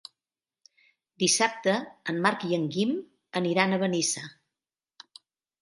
Dissabte en Marc i en Guim aniran a Benissa.